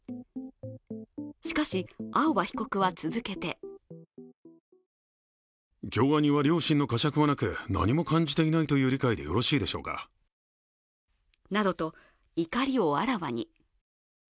しかし、青葉被告は続けてなどと怒りをあらわに。